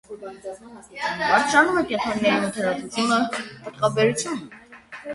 Բարձրանում է կենդանիների մթերատվությունը, պտղաբերությունը։